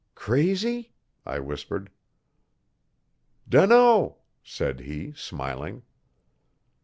'Crazy?' I whispered. 'Dunno,' said he, smiling.